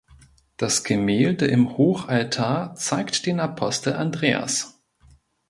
Das Gemälde im Hochaltar zeigt den Apostel Andreas.